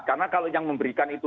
karena kalau yang memberikan itu